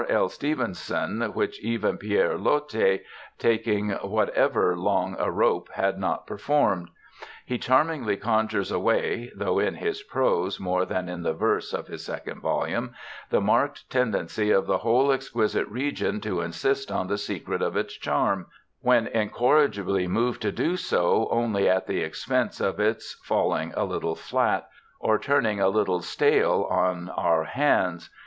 L. Stevenson, which even Pierre Loti, taking however long a rope, had not performed; he charmingly conjures away though in this prose more than in the verse of his second volume the marked tendency of the whole exquisite region to insist on the secret of its charm, when incorrigibly moved to do so, only at the expense of its falling a little flat, or turning a little stale, on our hands.